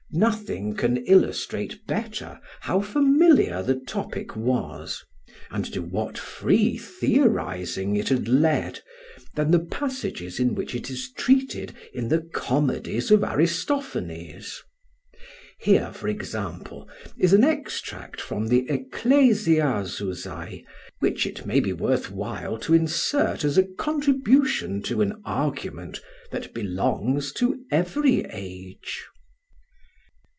Nothing can illustrate better how familiar the topic was, and to what free theorising it had led, than the passages in which it is treated in the comedies of Aristophanes. Here for example, is an extract from the "Ecclesiazusae" which it may be worth while to insert as a contribution to an argument that belongs to every age.